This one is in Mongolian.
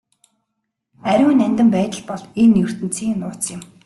Ариун нандин байдал бол энэ ертөнцийн нууц юм.